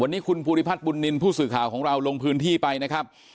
วันนี้คุณภูริพัฒน์บุญนินทร์ผู้สื่อข่าวของเราลงพื้นที่ไปนะครับ